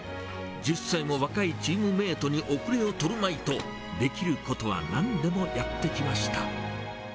１０歳も若いチームメートに後れをとるまいと、できることはなんでもやってきました。